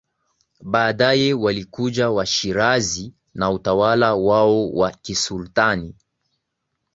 Baadaye walikuja Washirazi na utawala wao wa kisultani